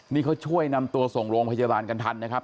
นี่เขาช่วยนำตัวส่งโรงพยาบาลกันทันนะครับ